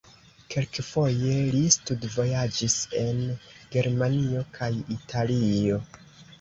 Kelkfoje li studvojaĝis en Germanio kaj Italio.